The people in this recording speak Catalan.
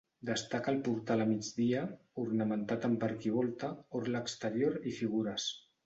Destaca el portal a migdia ornamentat amb arquivolta, orla exterior i figures.